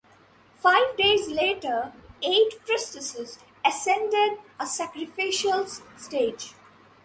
Five days later, eight priestesses ascended a sacrificial stage.